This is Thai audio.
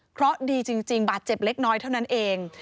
เพราะดีจริงบาดเจ็บเล็กน้อยเท่านั้นเอง